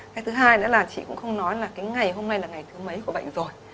cái thứ hai nữa là chị cũng không nói là cái ngày hôm nay là ngày thứ mấy của bệnh rồi